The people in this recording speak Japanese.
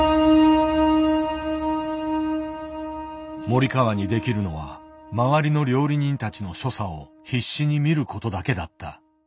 森川にできるのは周りの料理人たちの所作を必死に見ることだけだった。